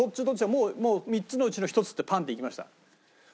でもう３つのうちの１つってパーン！っていきました？